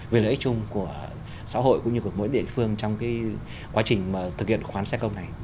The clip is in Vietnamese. về lợi ích chung của xã hội cũng như của mỗi địa phương trong quá trình thực hiện khoán xe công này